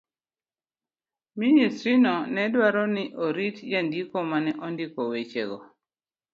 Ministrino ne dwaro ni orit jandiko ma ne ondiko wechego.